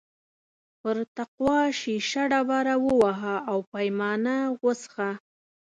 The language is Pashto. پر تقوا شیشه ډبره ووهه او پیمانه وڅښه.